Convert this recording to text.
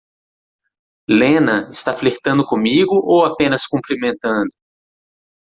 Lena está flertando comigo ou apenas cumprimentando?